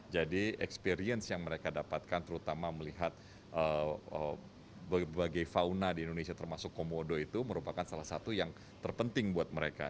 jadi experience yang mereka dapatkan terutama melihat berbagai fauna di indonesia termasuk komodo itu merupakan salah satu yang terpenting buat mereka